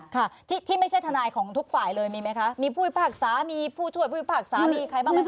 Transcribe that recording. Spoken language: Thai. ที่ไม่ใช่ทนายของทุกฝ่ายเลยมีไหมคะมีผู้หญิงภาคศาสตร์มีผู้ช่วยผู้หญิงภาคศาสตร์มีใครบ้างไหมคะ